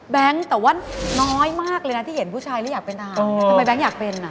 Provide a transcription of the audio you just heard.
แต่ว่าน้อยมากเลยนะที่เห็นผู้ชายแล้วอยากเป็นทหารทำไมแบงค์อยากเป็นอ่ะ